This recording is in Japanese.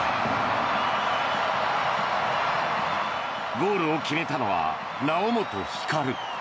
ゴールを決めたのは猶本光。